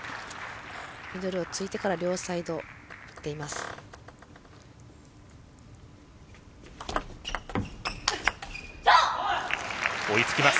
ミドルを突いてから両サイド振っています。